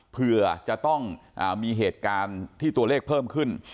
เพื่อจะต้องมีเหตุการณ์ที่ตัวเลขเพิ่มขึ้น